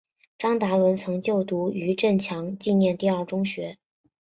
张达伦曾就读余振强纪念第二中学。